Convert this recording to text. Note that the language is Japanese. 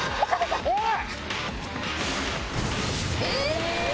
おい！